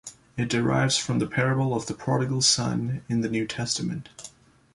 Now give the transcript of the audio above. It derives from the Parable of the Prodigal Son in the New Testament.